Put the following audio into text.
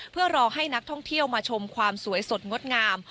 เพื่อรอให้นักท่องเที่ยวมาชมความสวยสดงดงาม